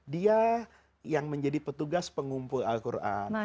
dia yang menjadi petugas pengumpul al quran